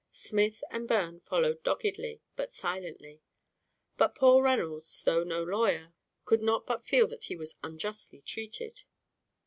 Smith and Byrne followed doggedly, but silently; but poor Reynolds, though no lawyer, could not but feel that he was unjustly treated.